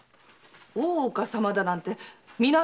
大岡様だなんて南町の？